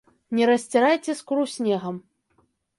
Не расцірайце скуру снегам.